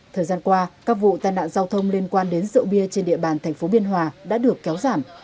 thời gian qua các vụ tai nạn giao thông liên quan đến rượu bia trên địa bàn thành phố biên hòa đã được kéo giảm